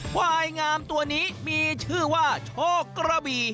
ควายงามตัวนี้มีชื่อว่าโชคกระบี่